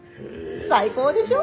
最高でしょ！